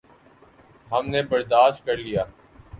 ہم نے برداشت کر لیا۔